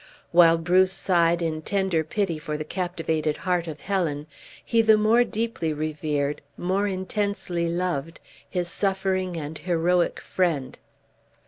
While Bruce sighed in tender pity for the captivated heart of Helen, he the more deeply revered, more intensely loved, his suffering and heroic friend.